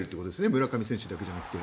村上選手だけじゃなくて。